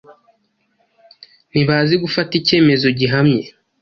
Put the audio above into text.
ntibazi gufata icyemezo gihamye,